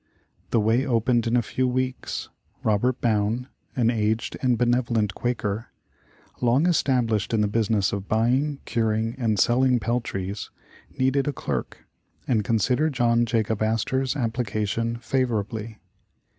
The way opened in a few weeks. Robert Bowne, an aged and benevolent Quaker, long established in the business of buying, curing and selling peltries, needed a clerk, and considered John Jacob Astor 's application favorably.